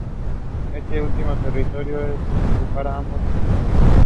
Este último territorio es el que separa ambos municipios.